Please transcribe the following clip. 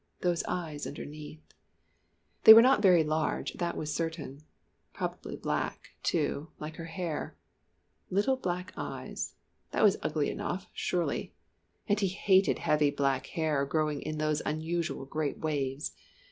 those eyes underneath. They were not very large, that was certain probably black, too, like her hair. Little black eyes! That was ugly enough, surely! And he hated heavy black hair growing in those unusual great waves.